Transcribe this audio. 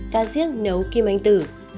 cá diếc nấu kim anh tử